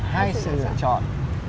hai sự lựa chọn